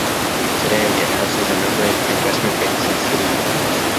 Today, it houses a number of investment banks and City firms.